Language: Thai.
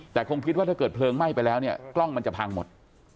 แต่คงคิดว่าถ้าเกิดเพลิงไหม้ไปแล้วเนี่ยกล้องมันจะพังหมด